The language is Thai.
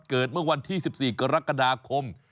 เกิดเมื่อวันที่๑๔กรกฎาคม